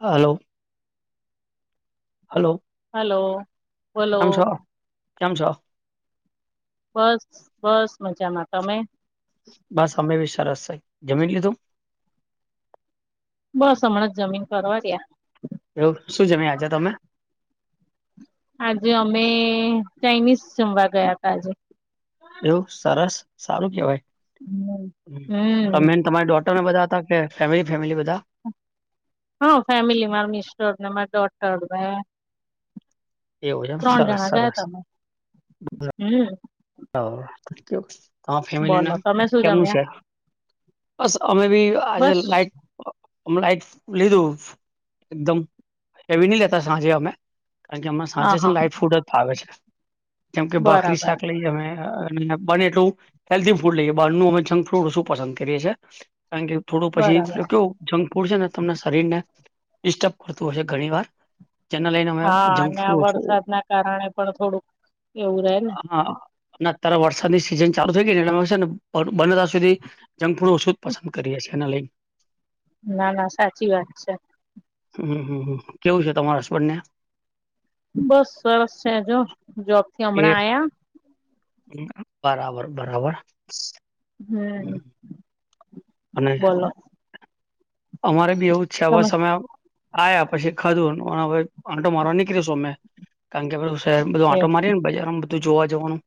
Hello hello hello બોલો કેમ છો, કેમ છો બસ બસ મજામાં તમે બસ અમે બી સરસ શય, જમી લીધું બસ અમણાં જ જમીને પરવાર્યા એવુ શું જમ્યા આજે તમે આજે અમે ચાઇનીઝ જમવા ગયા હતા આજે એવું સરસ સારું હમ કેવાય હમ તમે તમારી ડોટરને બધા અતા કે ફેમિલી ફેમિલી બધા હ ફેમિલી મારા મિસ્ટર ને મારી ડોટર ને એવું એમ ત્રણ સરસ જણા ગયા સરસ તમે હમ્મ અ તમાર ફેમિલી બોલો ના તમે શું કેમનું જમ્યા છે. બસ અમે બી આજે બસ લાઈટ અમણા એકશ લીધું એકદમ હેવી નહી લેતા સાંજે અમે કારણ કે હમણા હા સાંજે હા છેને લાઈટ ફૂડ જ ભાવે છે કેમ કે ભાખરી બરાબર શાક નહિ અમે બને એટલું હેલ્ધી ફૂડ લઈએ બારનું અમે જંક ફ્રૂડ ઓશું પસંદ કરીએ છીએ. કારણ કે થોડું પછી બરાબર કેટલું જંક ફૂડ છે ને તમને શરીર ને ડિસ્ટર્બ કરતું હયશે ઘણી વાર જેને લઈને અમે હા જંક અને ફૂડ આ ઓછું વરસાદ ના કારણે પણ થોડુંક એવું રહે ને હા અને અત્યારે વરસાદની સિઝન ચાલુ થઈ ગઈ ને એટલે સે ને બ બને ત્યાં સુધી જંક ફૂડ ઓછું જ પસંદ કરીએ સે એને લઈ ના ના સાચી વાત છે. હમ્મ હમ્મ હમ્મ કેવું છે તમારા હસબંડ ને બસ સરસ છે જો જોબ થી એ હમણાં આયા બરાબર બરાબર. હમ્મ હમ. અને બોલો અમારે બી એવું છે અવે તમે સમય આયા પછી ખાધું હવે આટો મારો નીકળીશું અમે કારણ કે હવે શહેર બધું એ આટો મારીએ ને બજારમાં બધું જોવા જવાનું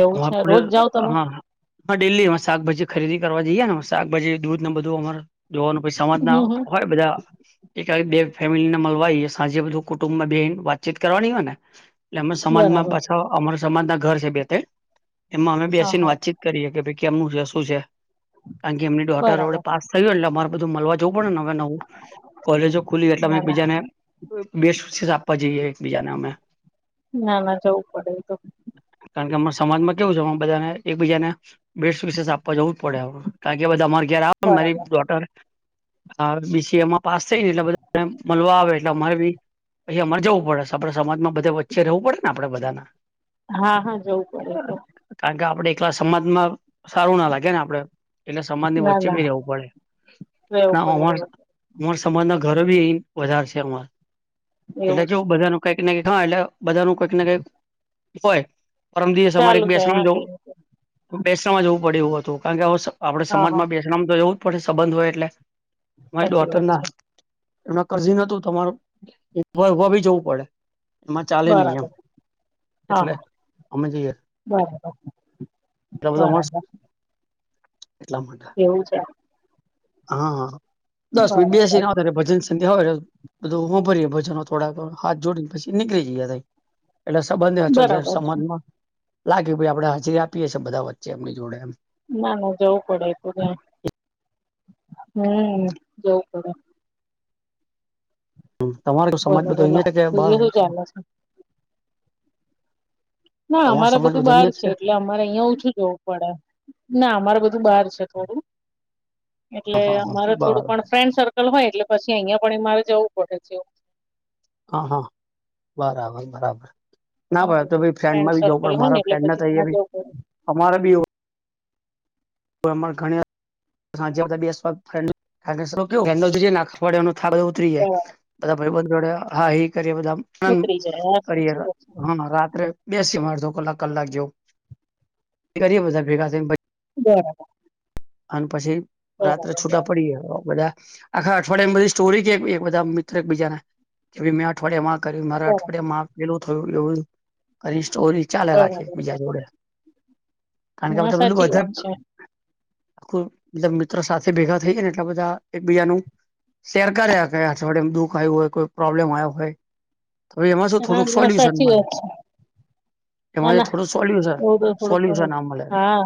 એવું છે રોજ જાઓ તમે [unintelligible] હા ડેલીમાં શાકભાજી ખરીદી કરવા જઈએ ને શાકભાજી દૂધ બધું અમારા જોવાનું પસી સમાજ ના હમ હમ હોય બધા એકાદ બે ફેમિલીને મલવાય સાંજે બધું કુટુંબમા બેહિને વાતચીત કરવાની હોય ને એટલે અમે સમાજમાં બરાબર પાછા અમારા સમાજ ના ઘર છે બે તે એમાં અમે હા બેસી ને હા વાતચીત કરીએ કે ભઈ કેમનું છે શું છે કારણ કે એમની ડોટર જોડે બરાબર પાસ થયું એટલે અમારે બધું મલવા જવું પડે ને હવે નવું કોલેજો ખુલી એટલે અમે ના એક ના બીજાને બેસ્ટ વિશેષ આપવા જઈએ એકબીજાને અમે ના ના જવું પડે એ તો કારણ કે અમારા સમાજમાં કેવું છે અમુક બધાને એકબીજા ને બેસ્ટ વિશેસ આપવા જવું જ પડે કારણ કે બધા અમારે ઘરે મારી બરાબર ડોટર અ બીસીએમાં પાસ થઈને એટલે બધાને મલવા આવે એટલે અમારે બી પછી અમારે જવું પડે છે આપણે સમાજમાં બધે વચ્ચે રહેવું પડે ને આપડે બધાના હા હા જવું પડે એ તો કારણ કે આપડે એકલા સમાજમાં સારું ના લાગે ને આપડે એટલે સમાજની ના વચ્ચે ના બી રેવું પડે રહેવું પડે અમાર રહેવું અમાર સમાજના ઘરો ભી અ વધારે છે અમાર પડે એટલે એવું જો છે બધાનું કંઈક ને કંઈક, હા એટલે બધાનું કંઈક ને કંઈક હોય પરમ દિવસે અમારે ચાલુ એક જાય બેસનામ હા જવ કઈ નઈ. બેસણાંમાં જવું પડ્યું હતું. કારણ કે હવે સ આપણે હા હા સમાજમાં બેસ ણાંમ તો જવું જ પડે, સંબંધ હોય એટલે. મારી સાચી વાત ડોટરના છે નકર [unintelligible] જવું પડે. એમાં ચાલે નહી એમ બરાબર. હા, એટલે હા. અમે બરાબર. એટલે બધા બરાબર [unintelligible] એટલા માટે. એવું છે. હા. દસ મિટ બરાબર બેસીને આવતાં રહ્યાં. પછી જ [unintelligible] બધું હોભળ્યું ભજનો થોડાક, હાથ જોડીન પછી નીકળી ગયા તા. એટલે સંબંધેય હચવાય જાય બરાબર છે સમાજમાં. લાગે ભાઈ આપણે હાજરી આપીએ છીએ બધા વચ્ચે એમની જોડે એમ. ના, ના જવું પડે એ તો ત્યાં. હમ્મ, જવું પડે. તો તમારો તો સમાજ બોલો બધો બોલો અહિયાં હે કે બહાર બીજું શું હોય [unintelligible] ચાલે છે ના તમારો અમારે સમાજ બધું બધો બહાર અહિયાં જ છે. એટલે અમારે અહિયાં ઓછું જવું પડે. ના અમારે બધું બહાર છે થોડું. એટલે અમારે છે થોડું બરાબર પણ ફ્રેન્ડ સર્ ર્કલ હોય એટલે પછી અહિયાં પણ એ મારે જવું પડે [unintelligible] હા, હા. બરાબર-બરાબર. ના [unintelligible] તો ભી ફ્રેન્ડ ફ્રેન્ડમાં બી જવુ સર્કલ પડે. હોય ને મારા એટલે ફ્રેન્ડના પછી તો ત્યાં અહિયાં ભી. જવું પડે અમારે બી એવું પણ અમારે ઘણીવાર [unintelligible] [unintelligible] બરાબર બધા ભાઈબંધ જોડે, હા ઈ કરીએ બધા આમ. ઉતરી જાય [unintelligible] હા કરીએ. સાચી વાત છે હા. ને રાત્રે બેસી એમ અડધો કલાક, કલાક જેવું. કરીએ બધા ભેગા થઈન [unintelligible] બરાબર. અન પછી બરાબર રાત્રે છૂટા પડીએ બધા. આખા અઠવાડિયામ બધી સ્ટોરી કેઈ. એક-એક બધા મિત્ર એકબીજાને. [unintelligible] મેં અઠવાડિયામાં આ કર્યું, મારા અઠવાડિયાેમાં આ પહેલું થયું. એવું કરી સ્ટોરી. ચાલે બરાબર રાખીએ બરાબર એક-બીજા જોડે. કારણ બરાબર કે હા [unintelligible] પહેલું સાચી વાત છે [unintelligible] [unintelligible] મતલબ મિત્રો સાથે ભેગા થઈએ ને એટલા બધા એકબીજા નું શેર કર્યા કરે. અઠવાડિયામ દુઃખ આયું હોય, કોઈ પ્રોબ્લેમ આયો હોય. તો હવે એમાં શું હા થોડુંક ના સોલ્યુશન સાચી મલે. વાત છે ના એમાંથી ના થોડું એવું તો થોડું સોલ્યુશન-સોલ્યુશન કહું આ મલે. હા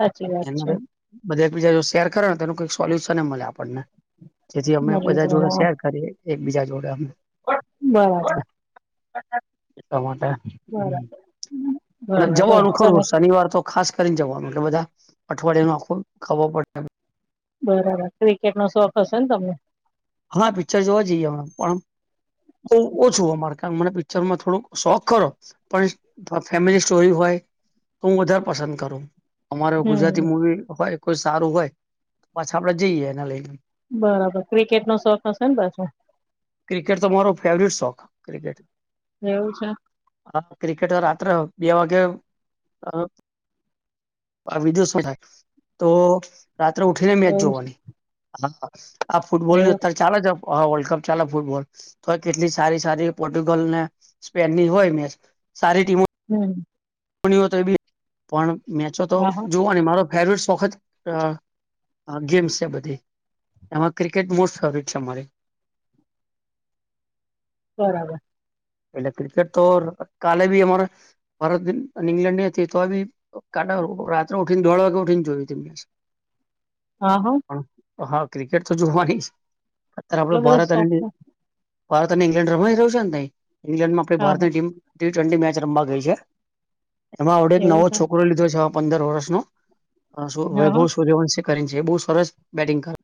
સાચી વાત છે [unintelligible] બધા એકબીજા જોડે શેર કરે ને તો એનું કંઈક સોલ્યુશન એઈ મલે આપણને. જેથી અમે મળી બધા જોડે જાય હા શેર કરીએ, એકબીજા જોડે આમ. બરાબર એટલા માટે. બરાબર. આપણે જવાનું બરાબર તમે ખરું. શનિવાર તો ખાસ કરીને જવાનું. એટલે બધા અઠવાડિયા નું આખું ખબર પડે એમ. બરાબર. ક્રિકેટ નો શોખ હશે ને તમને? હા પિક્ચર જોવા જઈએ અમે. પણ બહું ઓછું અમારે. [unintelligible] મને પિક્ચરમાં થોડોક શોખ ખરો પણ ફેમિલી સ્ટોરી હોય તો હું વધારે પસંદ કરું. અમારે હવે હમ ગુજરાતી મુવી હોય, કોઈ સારું હોય, તો પાછા આપણે જઈએ એના લઈને. બરાબર. ક્રિકેટ નો શોખ હશે ને પાછો? ક્રિકેટ તો મારો ફેવરીટ શોખ ક્રિકેટ. એવું છે. હા ક્રિકેટ રાત્રે બે વાગે બીજું શું થાય તો રાત્રે ઉઠીને મેચ એવું છે, જોવાની. આ ફુટબોલની એવું અ ચાલે છે વર્લ્ડ કપ ચાલે ફૂટબોલ તો કેટલી સારી સારી પોર્ટુગલ ને સ્પેનની હોય મેચ સારી ટીમો હમ્મ. એ બી પણ મેચો તો હા હા જોવાની મારો ફેવરિટ સોખ જ ગેમ્સ છે બધી એમાં ક્રિકેટ મોસ્ટ ફેવરિટ છે મારી. બરાબર ભલે ક્રિકેટ તો કાલે ભી અમારે ભારત અને ઇંગ્લેન્ડ ની તો બી કા રાત્રે ઉઠીને દોઢ વાગે ઉઠીને જોય છે હા હા હા ક્રિકેટ તો જોવાની જ અત્યારે આપડે એટલો બધો ભારત શોખ અને છે ભારત અને ઈંગ્લેન્ડ રમાઈ રહ્યું છે ને ત ઈંગ્લેન્ડમાં આપણે હા હા ભારતની ટીમ ટી ટ્વેન્ટી મેચ રમવા ગઈ છે એમાં આવડે એક એવું નવો છે છોકરો લીધો છે પંદર વર્ષનો શું હા હા વૈભવ સૂર્યવંશે કરીને છે બહુ સરસ બેટિંગ કર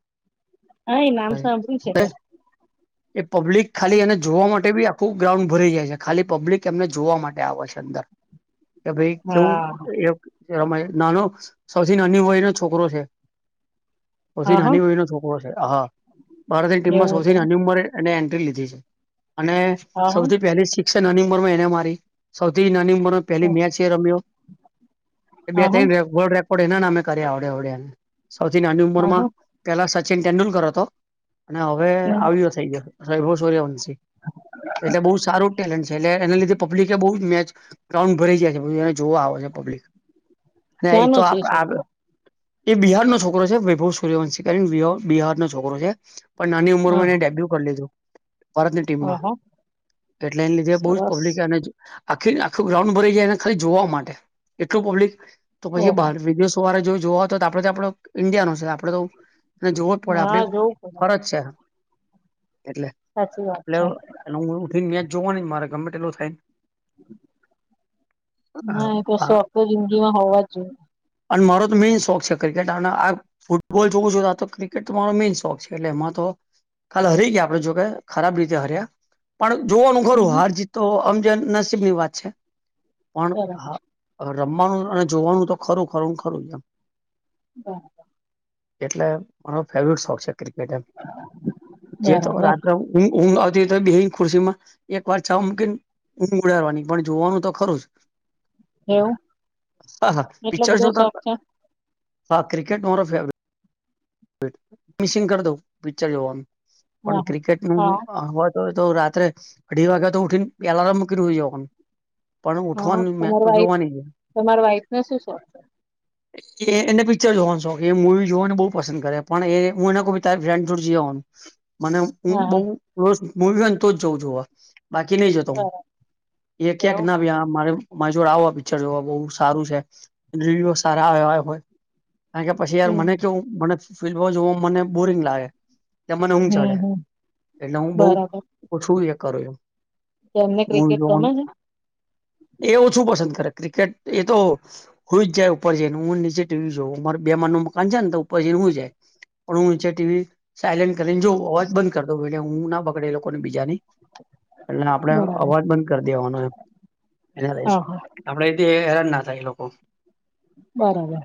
હા એ નામ સાંભળ્યું છે મેં [unintelligible] એ પબ્લિક ખાલી એને જોવા માટે બી આખું ગ્રાઉન્ડ ભરાઈ જાય છે ખાલી પબ્લિક એમને જોવા માટે આવે છે ત્યાં વર્ષ કે ભાઈ કેવું હા એક રમાય નાનો સૌથી નાની વય નો છોકરો છે સૌથી હા હા નાની વય નો છોકરો છે હા ભારતની ટીમમાં એવું સૌથી છે નાની ઉંમરે એને એન્ટ્રી લીધી છે અને હા હા સૌથી પહેલી સી નાની ઉંમરમાં એને મારી સૌથી નાની પર મેચ એ રમ્યો હા હા રેકોર્ડ એવોર્ડ એના નામે કર્યા આવડે આવડ્યા સૌથી નાની હા ઉંમરમાં હા પેલા સચિન તેંડુલકર હતો અને હવે હમ. આવયો થઇ ગયો વૈભવ સૂર્યવંશી એટલે બહુ સારું જ ટેલેન્ટ છે એટલે એના લીધે પબ્લિક એ બઉ મેચ ગ્રાઉન્ડ ભરી જાય છે એને જોવા આવે છે પબ્લિક અને ક્યાંનો એતો છે એ આ છોકરો એ બિહારનો છોકરો છે વૈભવ સૂર્યવંશી કરી ને બિહારનો છોકરો છે પણ નાની ઉંમર એને આહા ડેબ્યુ કર લીધું ભારતની ટીમમાં આહા એટલે એન લીધે બહુ જ સરસ પબ્લિક એને આખી આખું ગ્રાઉન્ડ ભરાઈ જાયને એને ખાલી જોવા માટે એટલું પબ્લિક તો પહિ ઓહો બાર વિદેશ તોરે જો જોવા હો તો આપડે તો આપડો ઈન્ડિયા છે આપડે ને જોવો જ પડે હા આપણે જોવું પડે ફરજ છે એટલે સાચી વાત છે એલે હું ઉઠીને મેચ જોવાનુ મારા ગમે તેટલો થાયન ના ને શોખ તો જિંદગીમાં હોવા જ જોઈએ અન મારો તો મેઈન શોખ છે ક્રિકેટ આ ના ફૂટબોલ જોવું છું તો આ તો ક્રિકેટ તો મારો મેઈન શોખ છે એટલે એમાં તો કાલ હરી ગયા આપડે જો કે ખરાબ રીતે હાર્યા પણ જોવાનું હમ ખરું હમ. હારજીત તો આમ જ નસીબની વાત છે પણ બરાબર હા રમવાનું અને જોવાનું તો ખરું ખરું ખરું એમ [inaudible] એટલે મારો ફેવરિટ શોખ છે ક્રિકેટ એમ. જે તો બરાબર બરાબર રાત્રે હું ઊ ઊંઘ આવતી ઓય તોયે બેહીન ખુશીમાં એક વાર ચાવ મૂકી ન ઉઊઘ ઉદાડવાની પણ જોવાનું તો ખરું જ. એવું હા, હા. એટલો પિક્ચર બધો જોતા શોખ છે હા, ક્રિકટ તો મારો ફેવરેટ. મિસિંગ કર દઉ પિક્ચર જોવાનું હા પણ હા ક્રિકેટનુ હા અવાજ હવે તો રાત્રે અઢી વાગ્યા તો ઉઠીને એલાર્મ મૂકી હુંય જવાનુ. પણ હા હા. ઉઠવાની મેચ તમારી તો વાઈફ જોવાની જ. તમારા વાઈફ ને શું શોખ છે? એ એને પિક્ચર જોવાનો શોખ એ મૂવી જોવાનો બહુ પસંદ કરે પણ એ હું એને કહું તારે ફ્રેન્ડ જોડે જીવાવાનું મને હું હું હા બઉ હા તો [inaudible] મૂવી હોય ન તો જઉં જોવા બાકી નઈ જતો હું બરાબર એ ક્યાંક એવું ના વ્યા મારે મારે જોડે આવા પિક્ચર જોવા, બહુ સારું છે, રિવ્યુ સારા આયવા હોય કારણ કે પછી યાર મને હમ કેવું મને ફિલ્મો જોવુ મને બોરિંગ લાગે એટલે મને ઊઘ ચડે હમ હમ એટલે હું બઉ બરાબર ઓછું એ કરું. તો એમને મૂવી ક્રિકેટ જોવાનું ગમે છે? એ ઓછું પસંદ કરે ક્રિકેટ એ તો હુંય જાય ઉપર જઈ ને હું નીચે ટીવી જોવ. મારે બે માળનું મકાન છે ને તો પછીને હું જાય પણ હું [inaudible] ટીવી સાયલેન્ટ કરીને જો અવાજ બંધ કર દવ [inaudible] એટલે ઊઘ ના બગડે એ લોકો ને બીજા ની. એટલે આપણે બરાબર અવાજ બંધ કરી દેવાનો એમ. ત્યારે હા હા સૂઈ આપડે થી હેરાન ના થાય એ લોકો. બરાબર.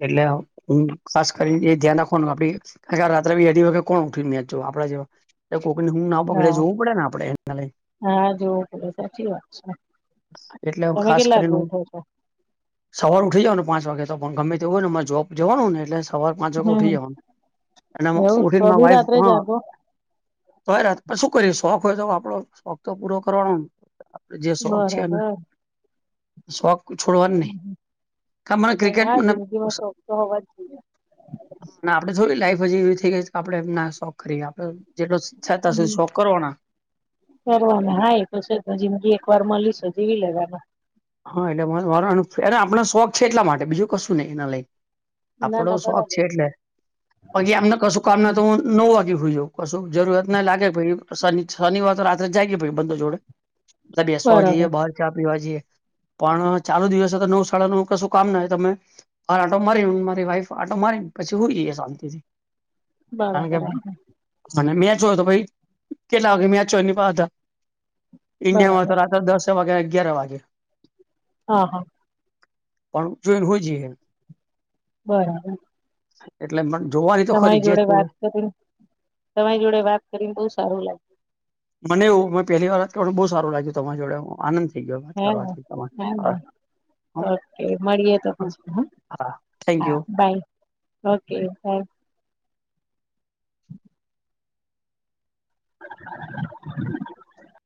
એટલે હું હ, ખાસ કરીને એ ધ્યાન રાખવાનું આપડી રાત્રે બી અઢી વાગે કોણ ઉઠી ને મેચ જોય આપડા જેવા. એ કોકની ઊઘ ના બગડે હા જોવું પડે ને આપડે [inaudible] હા જોવું પડે સાચી વાત છે. એટલે ઊ તમે ખાસ કેટલા કરીને વાગે ઊ ઉઠો છો? સવાર ઉઠી જવાનું પાંચ વાગે [unintelligible] ગમે તેવું હોય મારે જોબ જવાનું ને એટલે સવાર પાંચ વાગે હમ ઉઠી જવાનું અને એવું તો ઉઠીને મારી બી વાઈફ રાત્રે હ જાગો તોય રાત પણ શું કરીએ શોખ હોય તો આપડો શોખ તો પૂરો કરવાનો ને. જે શોખ છેને બરાબર શોખ છોડવાની નહી. કા મને ક્રિકેટ મને તમારો અવાજ ના, આપણે થોડી લાઈફ હજી એવી થઈ ગઈ છે કે આપડે એમ ના શોખ કરીએ આપડે. જેટલો સુખ સહાયતા છે હમ શોખ કરવાના. કરવાના હા એ તો છે જ જિંદગી એક વાર મલી છે જીવી લેવાનું. હ, એટલે [inaudible] આપડા શોખ છે એટલા માટે બીજું કશું નહી એના લઈ ના આપડો ના શોખ બરાબર છે એટલે. પછે એમને કશું કામ ના તો હું નવ વાગે હુઈ જાઉં કશું જરૂરિયાત ના લાગે [inaudible] શનિવાર તો રાત્રે જાગીએ ભાઈ બંધો જોડે બધા બેસવા જઈએ બરાબર બહાર ચા પીવા જઈએ. પણ ચાલુ દિવસે તો નવ શાળા નવ કશું કામ નહીં તમેં હા, આટો મારીને મારી વાઇફ આટો મારીને પછી હુંય ગેય શાંતિથી કારણ કે બરાબર અને મેચ હોય તો પછી કેટલા વાગે મેચ હોય એની પાહે ચાલે. ઇન્ડિયા માં બરાબર તો રાત્રે દસે વાગે-અગિયાર વાગે. હા, હા. પણ [inaudible] બરાબર એટલે પણ જોવાય તો ખરી તમારી છે જે [unintelligible] તમારી જોડે વાત કરીને બહુ સારું લાગ્યું. મને એવું મેં પહલી વાત બહુ સારું લાગ્યું તમારી જોડે હ હા હા આનંદ [unintelligible] હા ઓકે મળીએે તો હા પછી હ હા થેન્ક યુ હા બાય. Okay by. [inaudible]